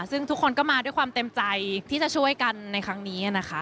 ซึ่งทุกคนก็มาด้วยความเต็มใจที่จะช่วยกันในครั้งนี้นะคะ